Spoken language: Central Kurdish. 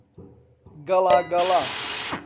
گەڵا گەڵا